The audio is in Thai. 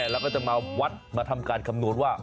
แล้วก็จะมาวัดมาทำการคำนวณว่า